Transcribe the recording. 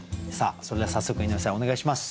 それでは早速井上さんお願いします。